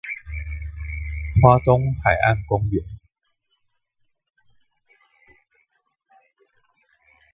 花東海岸公路